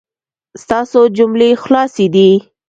ستاسو جملې خلاصې دي